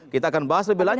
kita akan bahas lebih lanjut